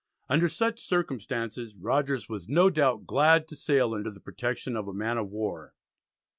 Under such circumstances Rogers was no doubt glad to sail under the protection of a man of war.